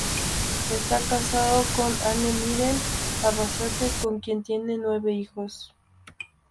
Está casado con Ane Miren Arrasate con quien tienen nueve hijos.